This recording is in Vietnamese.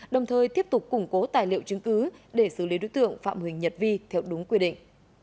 đồng thời tiếp tục củng cố tài liệu chứng cứ để xử lý đối tượng phạm huỳnh nhật vi theo đúng quy định